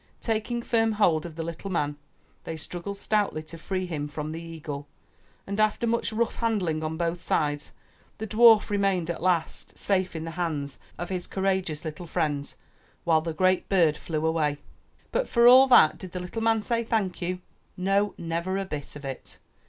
Taking firm hold of the little man, they struggled stoutly to free him from the eagle, and after much rough handling on both sides, the dwarf re mained at last safe in the hands of his courageous little 43 MY BOOK HOUSE friends, while the great bird flew away. But for all that, did the little old man say thank you? No! never a bit of it